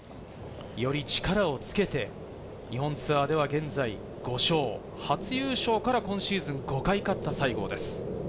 より力をつけて日本ツアーでは現在５勝、初優勝から今シーズン５回勝った西郷です。